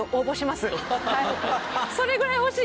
それぐらい欲しい！